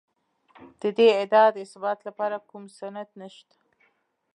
د دې ادعا د اثبات لپاره کوم سند نشته.